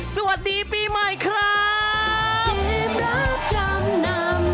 สวัสดีปีใหม่ครับ